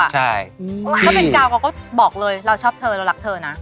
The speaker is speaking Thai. ถ้าเป็นกาวเขาก็บอกเลยเราชอบเธอเรารักเธอนะ